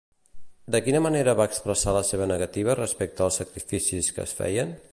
De quina manera va expressar la seva negativa respecte als sacrificis que es feien?